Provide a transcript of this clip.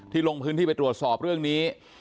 ลงพื้นที่ไปตรวจสอบเรื่องนี้